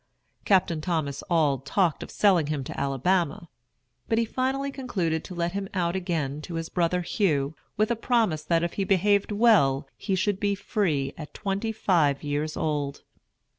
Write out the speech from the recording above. Captain Thomas Auld talked of selling him to Alabama; but he finally concluded to let him out again to his brother Hugh, with a promise that if he behaved well he should be free at twenty five years old.